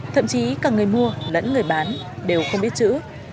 thậm chí cả người mua lẫn người bán đều không biết chữ